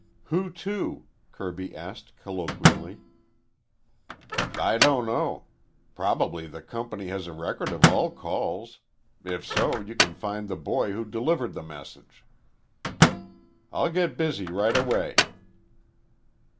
"Who to?" Kirby asked colloquially. "I don't know. Probably the company has a record of all calls. If so, you can find the boy who delivered the message." "I'll get busy right away."